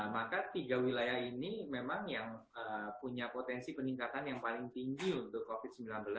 maka tiga wilayah ini memang yang punya potensi peningkatan yang paling tinggi untuk covid sembilan belas